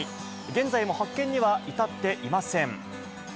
現在も発見には至っていません。